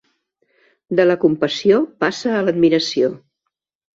De la compassió passa a l'admiració.